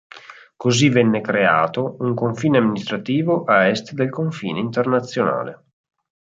Così venne creato un confine amministrativo a est del confine internazionale.